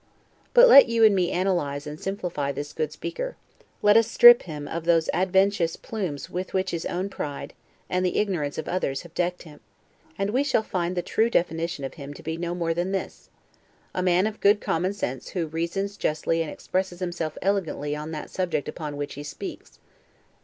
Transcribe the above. But let you and me analyze and simplify this good speaker; let us strip him of those adventitious plumes with which his own pride, and the ignorance of others, have decked him, and we shall find the true definition of him to be no more than this: A man of good common sense who reasons justly and expresses himself elegantly on that subject upon which he speaks.